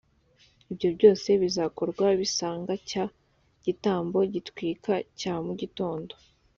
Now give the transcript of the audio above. ibyo byose bizakorwa bisanga cya gitambo gitwikwa cya mu gitondo